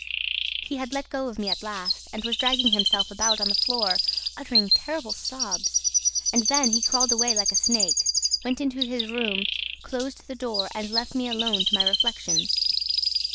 "He had let go of me at last and was dragging himself about on the floor, uttering terrible sobs. And then he crawled away like a snake, went into his room, closed the door and left me alone to my reflections.